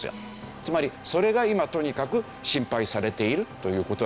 つまりそれが今とにかく心配されているという事なんですけど。